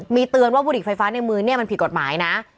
มีเตือนว่าบุหรี่ไฟฟ้าในมือเนี่ยมันผิดกฎหมายนะ